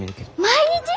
毎日！？